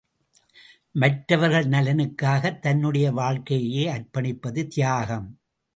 மற்றவர்கள் நலனுக்காகத் தன்னுடைய வாழ்க்கையையே அர்ப்பணிப்பது தியாகம்.